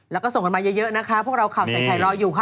แล้วก็ส่งกันมาเยอะนะคะพวกเราข่าวใส่ไข่รออยู่ค่ะ